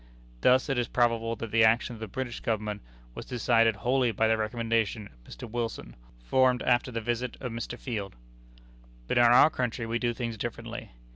Thus it is probable that the action of the British Government was decided wholly by the recommendation of Mr. Wilson, formed after the visit of Mr. Field. But in our country we do things differently.